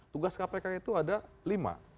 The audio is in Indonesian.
tugas kpk itu ada lima